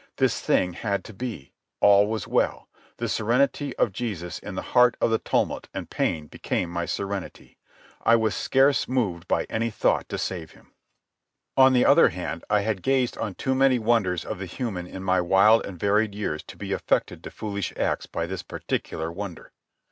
This thing had to be. All was well. The serenity of Jesus in the heart of the tumult and pain became my serenity. I was scarce moved by any thought to save him. On the other hand, I had gazed on too many wonders of the human in my wild and varied years to be affected to foolish acts by this particular wonder.